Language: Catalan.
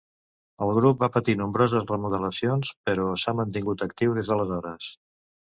El grup va patir nombroses remodelacions, però s'ha mantingut actiu des d'aleshores.